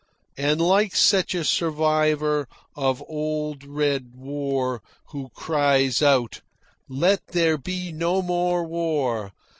And like such a survivor of old red war who cries out, "Let there be no more war!"